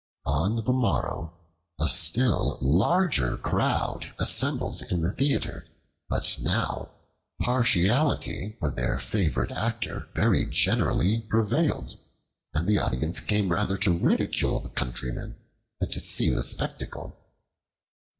On the morrow a still larger crowd assembled in the theater, but now partiality for their favorite actor very generally prevailed, and the audience came rather to ridicule the Countryman than to see the spectacle.